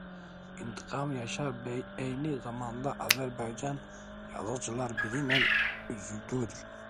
İntiqam Yaşar eyni zamanda Azərbaycan Yazıçılar Birliyinin üzvüdür.